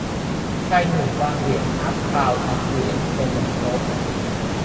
ชายหนุ่มวางเหรียญฮาล์ฟคราวน์อีกเหรียญลงบนโต๊ะ